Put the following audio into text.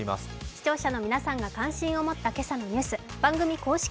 視聴者の皆さんが関心を持ったこちらのニュース、番組公式